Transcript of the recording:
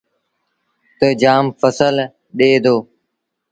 تا جآم ڦسل ڏي دو۔